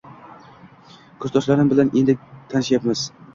Kursdoshlarim bilan endi tanishyapmiz